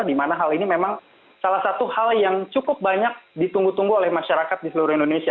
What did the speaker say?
di mana hal ini memang salah satu hal yang cukup banyak ditunggu tunggu oleh masyarakat di seluruh indonesia